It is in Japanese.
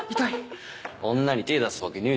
女に手出すわけねえだろ。